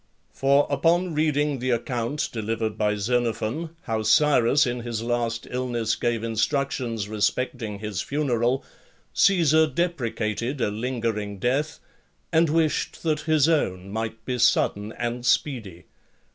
For, upon reading the account delivered by Xenophon, how Cyrus in his last illness gave instructions respecting his funeral, Caesar deprecated a lingering death, and wished that his own might be sudden and speedy.